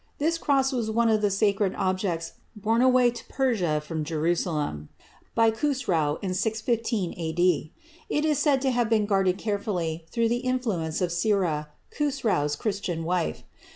This cross was one of the sacred objects borne away to Persia from Jerusalem by Khusrau in 615 A.D. It is said to have been guarded carefully through the influence of Sira, Khusrau's Christian wife.